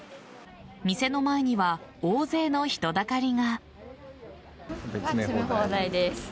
店の前には大勢の人だかりが。